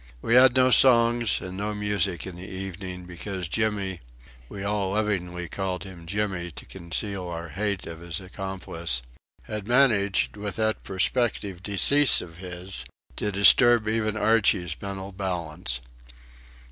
We had no songs and no music in the evening, because Jimmy (we all lovingly called him Jimmy, to conceal our hate of his accomplice) had managed, with that prospective decease of his, to disturb even Archie's mental balance.